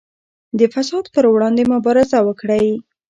د فساد پر وړاندې مبارزه وکړئ.